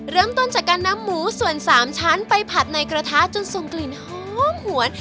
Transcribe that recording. เริ่มต้นจากการนำหมูส่วน๓ชั้นไปผัดในกระทะจนส่งกลิ่นหอมหวน